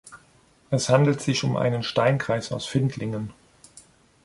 Es handelt sich um einen Steinkreis aus Findlingen.